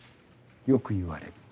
よく言われる。